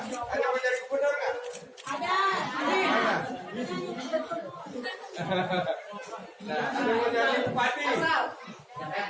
ada yang mau jadi kepati ada yang mau jadi kepati